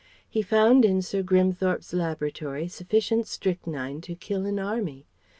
He found in Sir Grimthorpe's laboratory sufficient strychnine to kill an army.